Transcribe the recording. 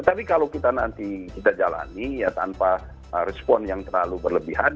tapi kalau kita nanti kita jalani ya tanpa respon yang terlalu berlebihan